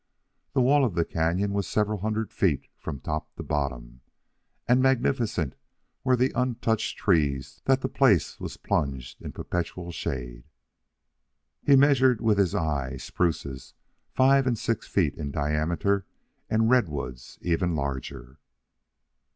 The wall of the canon was several hundred feet from top to bottom, and magnificent were the untouched trees that the place was plunged in perpetual shade. He measured with his eye spruces five and six feet in diameter and redwoods even larger.